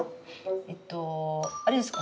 えっとあれですか？